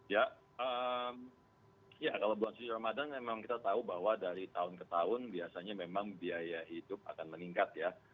ya kalau bulan suci ramadan memang kita tahu bahwa dari tahun ke tahun biasanya memang biaya hidup akan meningkat ya